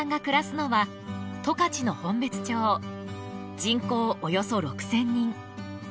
人口およそ６０００人。